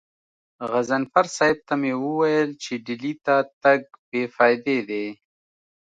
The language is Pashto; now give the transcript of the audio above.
غضنفر صاحب ته مې وويل چې ډهلي ته تګ بې فايدې دی.